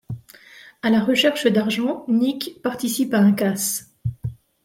À la recherche d'argent, Nick participe à un casse.